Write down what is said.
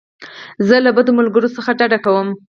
زه له بدو ملګرو څخه ډډه کوم.